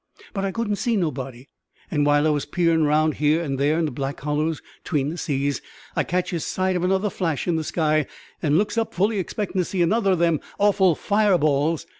But I couldn't see nobody; and while I was peerin' round here and there into the black hollows between the seas, I catches sight of another flash in the sky, and looks up fully expectin' to see another o' them awful fire balls.